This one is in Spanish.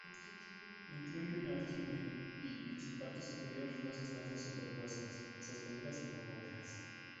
Incluye un aljibe y, en su parte superior, dos estancias superpuestas, sostenidas por bóvedas.